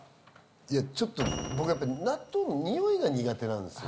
いやちょっと僕はやっぱ納豆のにおいが苦手なんですよ